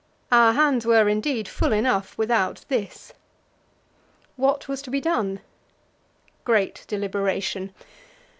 Our hands were indeed full enough without this. What was to be done? Great deliberation.